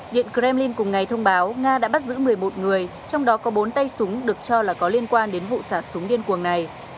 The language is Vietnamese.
điện kremlin cùng ngày thông báo nga đã bắt giữ một mươi một người trong đó có bốn tay súng được cho là có liên quan đến vụ xả súng điên cuồng này